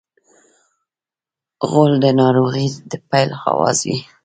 غول د ناروغۍ د پیل اواز وي.